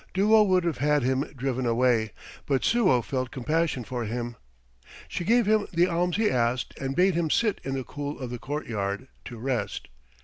Duo would have had him driven away, but Suo felt compassion for him. She gave him the alms he asked and bade him sit in the cool of the courtyard to rest.